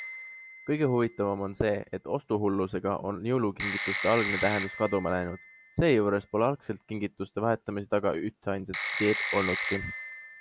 Kõige huvitavam on see, et ostuhullusega on jõulukingituste algne tähendus kaduma läinud, seejuures pole algselt kingituste vahetamise taga ühtainsat ideed olnudki.